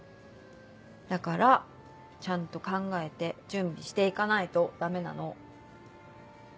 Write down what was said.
だからちゃんと考えて準備していかないとダメなの。